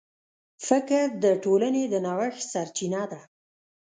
فکر د ټولنې د نوښت سرچینه ده.